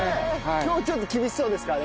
今日ちょっと厳しそうですかね。